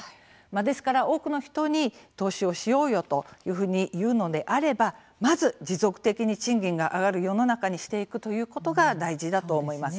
ですから多くの人に投資をしようよというふうに言うのであればまず、持続的に賃金が上がる世の中にしていくということが大事だと思います。